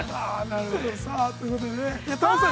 なるほど、さあ、ということでね。